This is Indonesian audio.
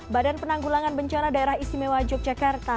badan penanggulangan bencana daerah istimewa yogyakarta